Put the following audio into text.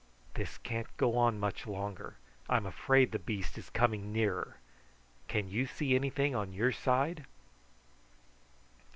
"This can't go on much longer. I'm afraid the beast is coming nearer. Can you see anything your side?"